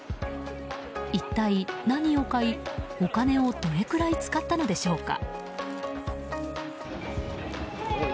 一体何を買い、お金をどれぐらい使ったのでしょうか。